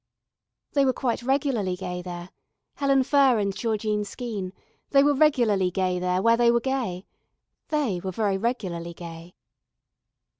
They were quite regularly gay there, Helen Furr and Georgine Skeene, they were regularly gay there where they were gay. They were very regularly gay.